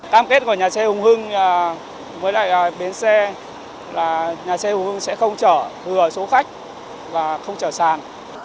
cam kết của nhà xe hùng hưng với lại bến xe là nhà xe hùng hưng sẽ không chở hừa số khách và không chở sàn